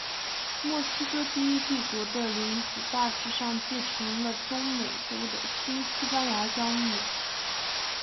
墨西哥第一帝国的领土大致上继承了中美洲的新西班牙疆域。